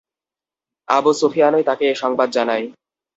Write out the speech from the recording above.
আবু সুফিয়ানই তাকে এ সংবাদ জানায়।